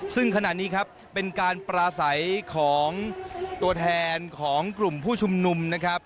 ซึ่งขณะนี้ครับเป็นการปราศัยของตัวแทนของกลุ่มผู้ชุมนุมนะครับ